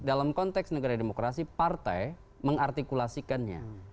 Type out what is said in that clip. dalam konteks negara demokrasi partai mengartikulasikannya